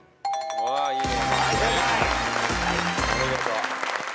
お見事。